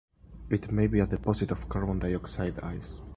It may be a deposit of carbon dioxide ice.